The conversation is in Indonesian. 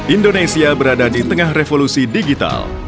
indonesia berada di tengah revolusi digital